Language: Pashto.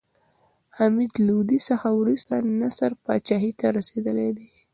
حمید لودي څخه وروسته نصر پاچاهي ته رسېدلى دﺉ.